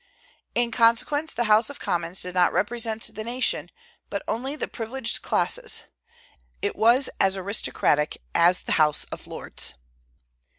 In consequence the House of Commons did not represent the nation, but only the privileged classes. It was as aristocratic as the House of Lords.